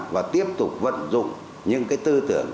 và tiếp tục vận dụng những tư tưởng